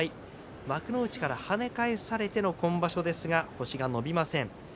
幕の力を跳ね返されての今場所星が伸びません。